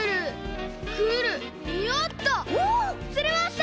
つれました！